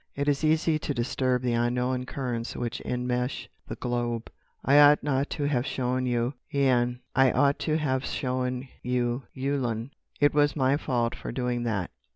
"It is easy to disturb the unknown currents which enmesh the globe. I ought not to have shown you Yian. I ought not to have shown you Yulun. It was my fault for doing that.